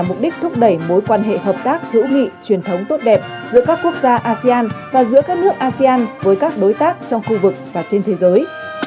mục đích thúc đẩy mối quan hệ hợp tác hữu nghị truyền thống tốt đẹp giữa các quốc gia asean và giữa các nước asean với các đối tác trong khu vực và trên thế giới